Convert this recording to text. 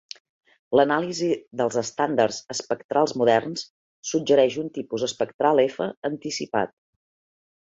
L"anàlisi dels estàndards espectrals moderns suggereix un tipus espectral F anticipat.